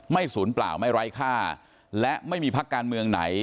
ศูนย์เปล่าไม่ไร้ค่าและไม่มีพักการเมืองไหน